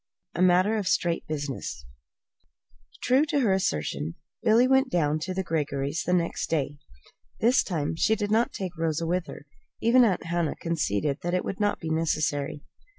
A MATTER OF STRAIGHT BUSINESS True to her assertion, Billy went down to the Greggorys' the next day. This time she did not take Rosa with her. Even Aunt Hannah conceded that it would not be necessary.